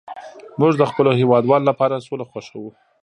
موږ د خپلو هیوادوالو لپاره سوله خوښوو